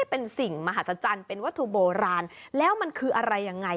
เป็นสิ่งมหัศจรรย์เป็นวัตถุโบราณแล้วมันคืออะไรยังไง